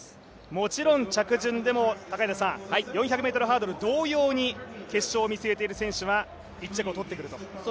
もちろん着順でも４００ｍハードル同様に決勝を見据えている選手は１着を取ってくると。